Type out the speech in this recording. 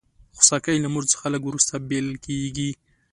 خوسکی له مور څخه لږ وروسته بېل کېږي.